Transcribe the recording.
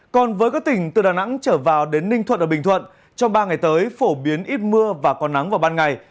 còn với các tỉnh từ đà nẵng trở vào đến ninh thuận và bình thuận trong ba ngày tới phổ biến ít mưa và còn nắng vào ban ngày